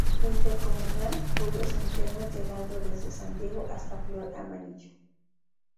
Intercomunal Julio Centeno, llegando desde San Diego hasta Flor Amarillo.